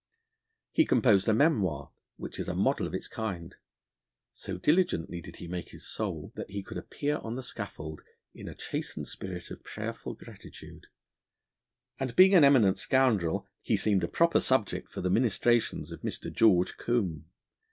He composed a memoir, which is a model of its kind; so diligently did he make his soul, that he could appear on the scaffold in a chastened spirit of prayerful gratitude; and, being an eminent scoundrel, he seemed a proper subject for the ministrations of Mr. George Combe.